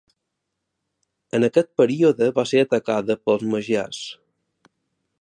En aquest període va ser atacada pels magiars.